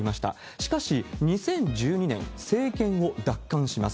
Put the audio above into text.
しかし２０１２年、政権を奪還します。